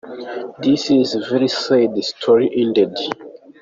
This is a very sad story indeed.